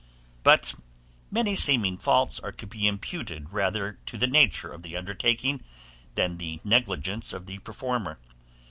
But many seeming faults are to be imputed rather to the nature of the undertaking, than the negligence of the performer.